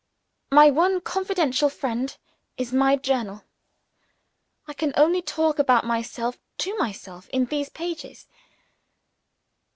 My one confidential friend is my Journal I can only talk about myself to myself, in these pages.